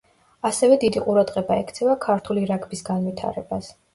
ასევე დიდი ყურადღება ექცევა ქართული რაგბის განვითარებას.